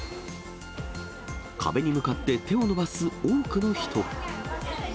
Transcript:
壁に向かって手を伸ばす多くの人。